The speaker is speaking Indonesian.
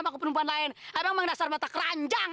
sama perempuan lain abang mengdasar mata keranjang